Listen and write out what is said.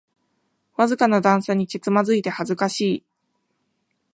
わずかな段差にけつまずいて恥ずかしい